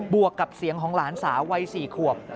วกกับเสียงของหลานสาววัย๔ขวบ